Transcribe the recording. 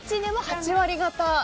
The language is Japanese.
８割方